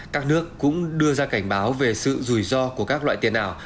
các nước cũng đưa ra cảnh báo về sự rủi ro của các loại tiền ảo